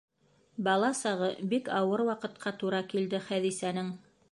Бала сағы бик ауыр ваҡытҡа тура килде Хәҙисәнең.